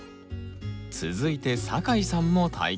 続いて酒井さんも体験。